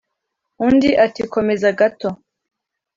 undi ati komeza gato.